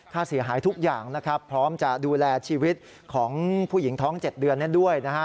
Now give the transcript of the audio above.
ค่าเสียหายทุกอย่างนะครับพร้อมจะดูแลชีวิตของผู้หญิงท้อง๗เดือนด้วยนะฮะ